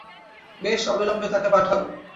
বেশ, অবিলম্বে তাকে পাঠাও।